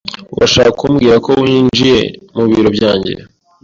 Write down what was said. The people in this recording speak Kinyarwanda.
Urashaka kumbwira uko winjiye mu biro byanjye?